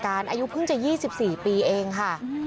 อายุเพิ่งจะ๒๔ปีเองค่ะ